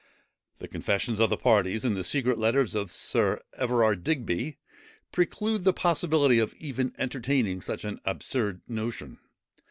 The confessions of the parties, and the secret letters of Sir Everard Digby, preclude the possibility of even entertaining such an absurd notion.